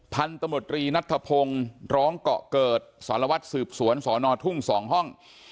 พันธมตรีนัทธพงศ์ร้องเกาะเกิดสารวัตรสืบสวนสอนอทุ่ง๒ห้อง